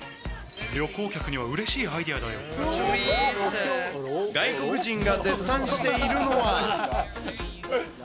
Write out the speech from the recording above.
旅行客にはうれしいアイデア外国人が絶賛しているのは。